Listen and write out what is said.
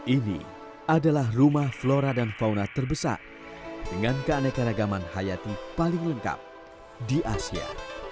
ini adalah rumah flora dan fauna terbesar dengan keanekaragaman hayati paling lengkap di asia